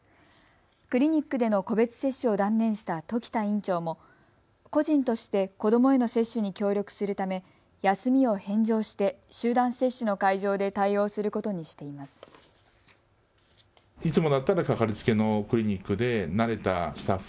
クリニックでの個別接種を断念した時田院長も個人として子どもへの接種に協力するため休みを返上して、集団接種の会場で対応することにしています。